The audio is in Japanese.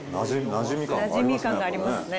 馴染み感がありますね